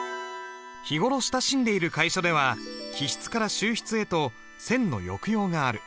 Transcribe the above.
日頃親しんでいる楷書では起筆から収筆へと線の抑揚がある。